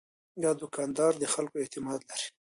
دا دوکاندار د خلکو اعتماد لري.